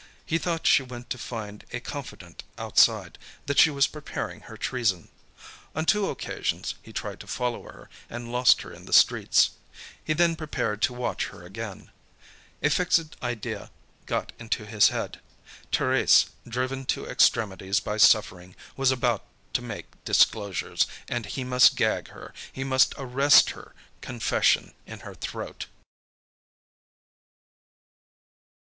He thought she went to find a confidant outside, that she was preparing her treason. On two occasions he tried to follow her, and lost her in the streets. He then prepared to watch her again. A fixed idea got into his head: Thérèse, driven to extremities by suffering, was about to make disclosures, and he must gag her, he must arrest her confession in her throat.